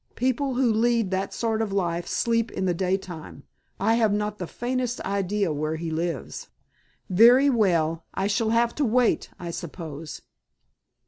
People who lead that sort of life sleep in the day time. I have not the faintest idea where he lives." "Very well, I shall have to wait, I suppose."